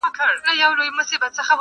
چي له غله سره د کور د سړي پل وي!.